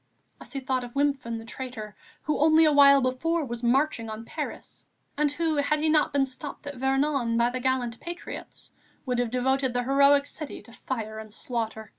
And he thought of Wimpfen, the traitor, who only a while before was marching on Paris, and who, had he not been stopped at Vernon, by the gallant patriots, would have devoted the heroic city to fire and slaughter.